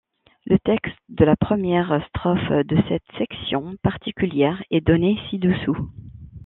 Le texte de la première strophe de cette section particulière est donnée ci-dessous.